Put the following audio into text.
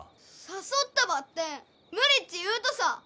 誘ったばってん無理っち言うとさ。